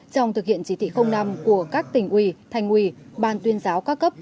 trong thực hiện chỉ thị năm của các tỉnh ủy thành ủy ban tuyên giáo các cấp